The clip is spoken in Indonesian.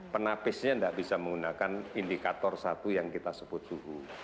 penapisnya tidak bisa menggunakan indikator satu yang kita sebut suhu